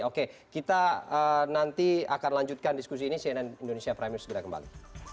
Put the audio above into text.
oke kita nanti akan lanjutkan diskusi ini cnn indonesia prime news segera kembali